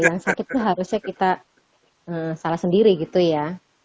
jangan sakit itu harusnya kita salah sendiri gitu ya